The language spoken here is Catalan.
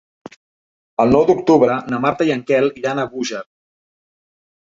El nou d'octubre na Marta i en Quel iran a Búger.